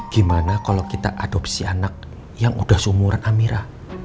gimana kalau kita adopsi anak yang udah seumuran amira